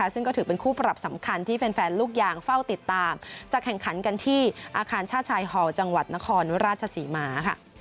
ซึ่งก็ถือเป็นคู่ปรับสำคัญที่แฟนลูกยางเฝ้าติดตามจะแข่งขันกันที่อาคารชาติชายฮอลจังหวัดนครราชศรีมา